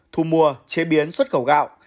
thu mua chế biến xuất cầu gạo